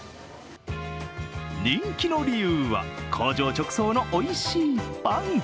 人気の理由は、工場直送のおいしいパン。